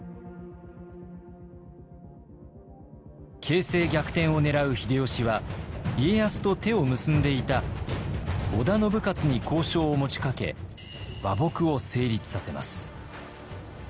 形勢逆転を狙う秀吉は家康と手を結んでいた織田信雄に交渉を持ちかけ和睦を成立させます。